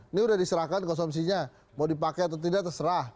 ini sudah diserahkan konsumsinya mau dipakai atau tidak terserah